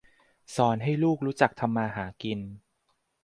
สอนให้ลูกรู้จักทำมาหากิน